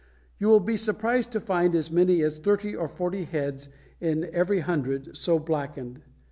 You will be surprised to find as many as thirty or forty heads in every hundred so blackened.